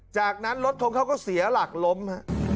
จากนั้นรถของเขาก็เสียหลักล้ม